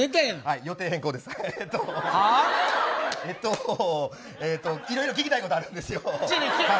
いろいろ聞きたいことあるんですよ。